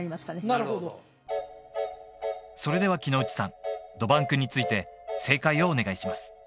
なるほどそれでは木ノ内さんどばんくんについて正解をお願いします